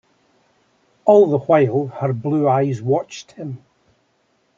All the while her blue eyes watched him.